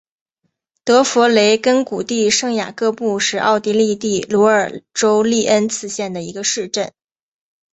德弗雷根谷地圣雅各布是奥地利蒂罗尔州利恩茨县的一个市镇。